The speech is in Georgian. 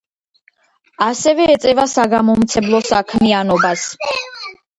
ასევე ეწევა საგამომცემლო საქმიანობას.